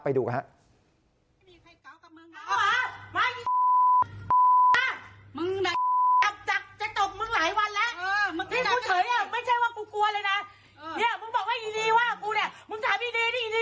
ไปดูกันครับ